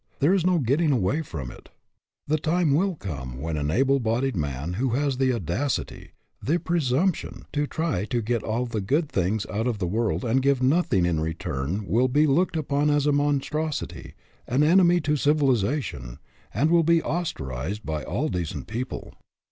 There is no getting away from it. The time will come when an able bodied man who has the audacity, the presumption, to try to get all the good things out of the world and give nothing in return will be looked upon as a monstrosity, an enemy to civilization, and will be ostracized by all decent people.